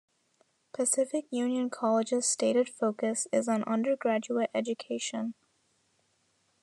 Pacific Union College's stated focus is on undergraduate education.